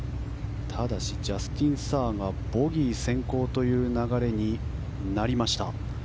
ジャスティン・サーがボギー先行の流れになりました。